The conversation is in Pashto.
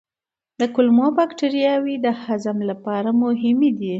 کولمو بکتریاوې د هضم لپاره مهمې دي.